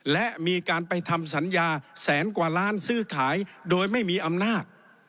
และมีการไปทำสัญญาแสนกว่าล้านซื้อขายโดยไม่มีอำนาจ